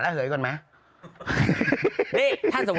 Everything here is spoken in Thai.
ดำเนินคดีต่อไปนั่นเองครับ